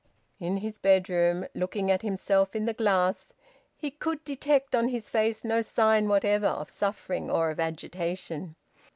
In his bedroom, looking at himself in the glass, he could detect on his face no sign whatever of suffering or of agitation.